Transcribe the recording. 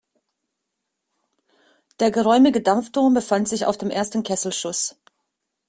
Der geräumige Dampfdom befand sich auf dem ersten Kesselschuss.